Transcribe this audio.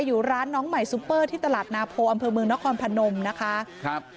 อยู่ร้านน้องใหม่ซุปเปอร์ที่ตลาดนาโพอำเภอเมืองนครพนมนะคะครับ